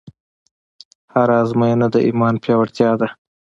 هره ازموینه د ایمان پیاوړتیا ده.